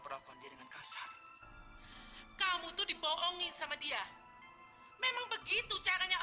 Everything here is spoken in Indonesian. kalau allah berkandak kamu hamil bagaimana